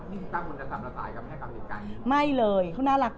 มีพี่ปุ๊ยจะทำละสายกันให้กับเด็กกัน